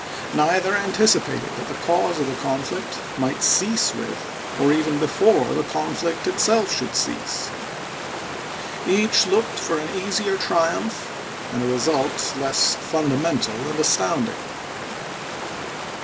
Neither anticipated that the cause of the conflict might cease with, or even before, the conflict itself should cease. Each looked for an easier triumph, and a result less fundamental and astounding.